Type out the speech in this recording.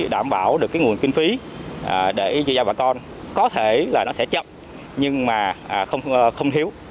đảm bảo được cái nguồn kinh phí để chia cho bà con có thể là nó sẽ chậm nhưng mà không hiếu